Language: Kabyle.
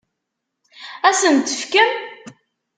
Ad asen-tt-tefkem?